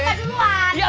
cabut yang sebelah dah